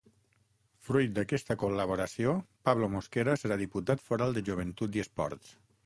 Fruit d'aquesta col·laboració Pablo Mosquera serà Diputat Foral de Joventut i Esports.